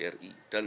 dan saya berkata